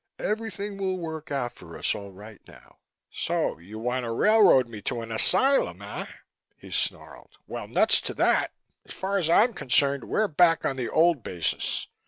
Everything will work out for us all right now." "So you want to railroad me to an asylum, eh?" he snarled. "Well, nuts to that! As far as I'm concerned, we're back on the old basis.